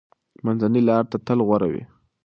منځنۍ لار تل غوره وي.